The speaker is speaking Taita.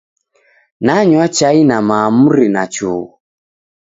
Nanywa chai na maamuri na chughu